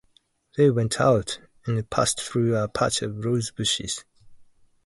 They went out and passed through a patch of rosebushes.